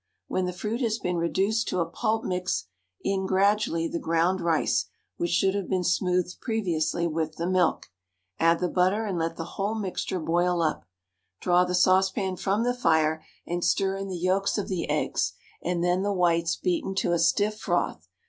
When the fruit has been reduced to a pulp mix in gradually the ground rice, which should have been smoothed previously with the milk; add the butter and let the whole mixture boil up; draw the saucepan from the fire and stir in the yolks of the eggs and then the whites beaten to a stiff froth.